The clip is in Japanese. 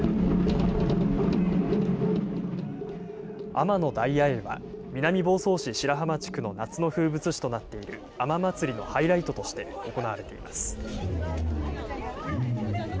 海女の大夜泳は南房総市白浜地区の夏の風物詩となっている、海女まつりのハイライトとして行われています。